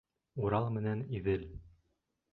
— Урал менән Иҙел.